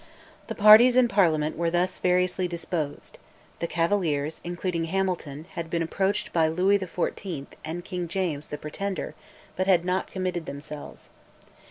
The parties in Parliament were thus variously disposed: the Cavaliers, including Hamilton, had been approached by Louis XIV. and King James (the Pretender), but had not committed themselves.